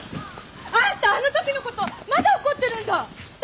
あんたあの時の事まだ怒ってるんだ！